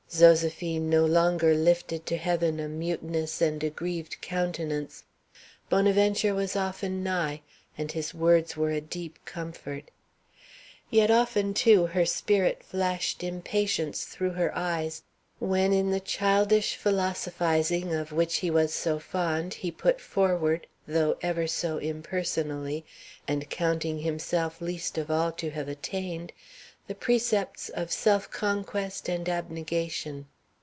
Zoséphine no longer lifted to heaven a mutinous and aggrieved countenance. Bonaventure was often nigh, and his words were a deep comfort. Yet often, too, her spirit flashed impatience through her eyes when in the childish philosophizing of which he was so fond he put forward though ever so impersonally and counting himself least of all to have attained the precepts of self conquest and abnegation.